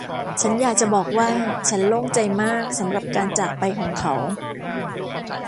ฉันอยากจะบอกว่า ฉันโล่งใจมากสำหรับการจากไปของเขา